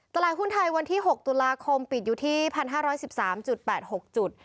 ตลาดหุ้นไทยวันที่๖ตุลาคมปิดอยู่ที่๑๕๑๓๘๖จุด